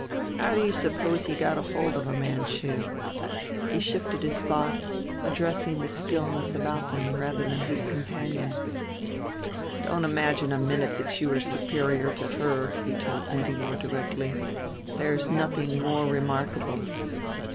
"How do you suppose he got hold of a Manchu?" he shifted his thought, addressing the stillness about them rather than his companion. "Don't imagine for a minute that you are superior to her," he told Nettie more directly. "There is nothing more remarkable.